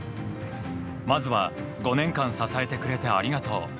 まずは５年間支えてくれてありがとう。